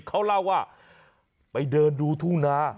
เขาเล่าว่าไปเดินดูทุ่งนา